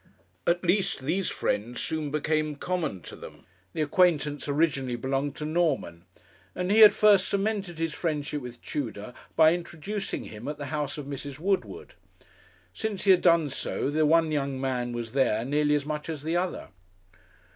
At least these friends soon became common to them. The acquaintance originally belonged to Norman, and he had first cemented his friendship with Tudor by introducing him at the house of Mrs. Woodward. Since he had done so, the one young man was there nearly as much as the other.